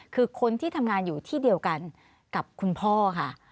คือคนที่ทำงานอยู่ที่เดียวกันกับคุณพ่อค่ะ